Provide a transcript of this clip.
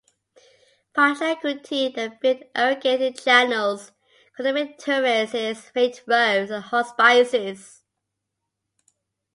Pachacuti then built irrigating channels, cultivated terraces, made roads and hospices.